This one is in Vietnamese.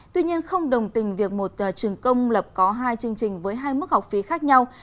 tuy nhiên không đồng tình việc một trường công lập có hai chương trình với hai mức học phí khác nhau